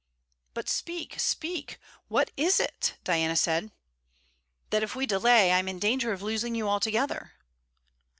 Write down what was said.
'But speak, speak! What is it?' Diana said. 'That if we delay, I 'm in danger of losing you altogether.'